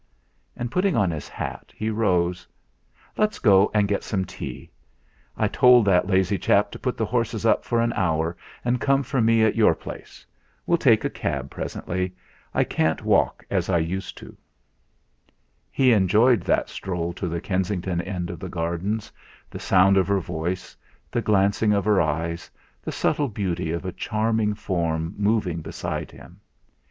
And putting on his hat, he rose. "Let's go and get some tea. I told that lazy chap to put the horses up for an hour, and come for me at your place. We'll take a cab presently; I can't walk as I used to." He enjoyed that stroll to the Kensington end of the gardens the sound of her voice, the glancing of her eyes, the subtle beauty of a charming form moving beside him.